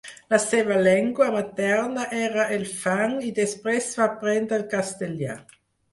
La seva llengua materna era el fang i després va aprendre el castellà.